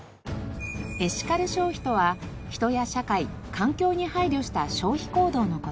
エシカル消費とは人や社会環境に配慮した消費行動の事。